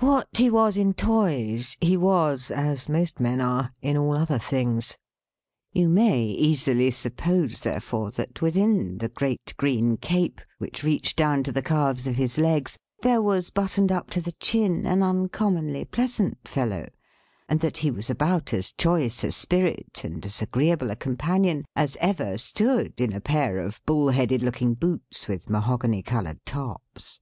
What he was in toys, he was (as most men are) in all other things. You may easily suppose, therefore, that within the great green cape, which reached down to the calves of his legs, there was buttoned up to the chin an uncommonly pleasant fellow; and that he was about as choice a spirit and as agreeable a companion, as ever stood in a pair of bull headed looking boots with mahogany colored tops.